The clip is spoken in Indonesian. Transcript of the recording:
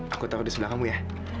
aku tahu di sebelah kamu ya